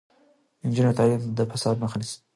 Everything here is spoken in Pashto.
د نجونو تعلیم د فساد مخه نیسي.